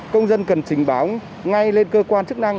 công dân cần trình báo ngay lên cơ quan chức năng